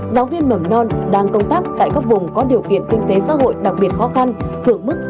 giáo viên mẩm non đang công tác tại các vùng có điều kiện kinh tế xã hội đặc biệt khó khăn hưởng mức một trăm linh